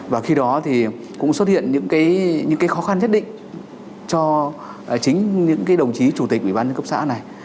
và khi đó thì cũng xuất hiện những cái khó khăn nhất định cho chính những cái đồng chí chủ tịch ủy ban nhân cấp xã này